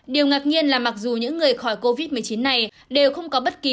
điều ngạc nhiên là mặc dù những người khỏi covid một mươi chín này đều không có bất kỳ